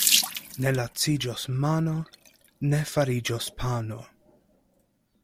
Ne laciĝos mano, ne fariĝos pano.